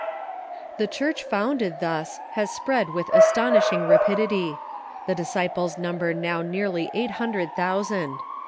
The Church founded thus has spread with astonishing rapid ity. The Disciples number now nearly eight hundred thousand.